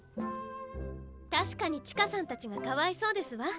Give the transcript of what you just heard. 確かに千歌さんたちがかわいそうですわ。